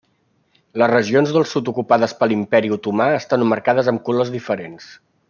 Les regions del sud ocupades per l'imperi otomà estan marcades amb colors diferents.